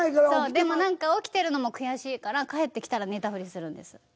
そうでも何か起きてるのも悔しいから帰ってきたら寝たふりするんです。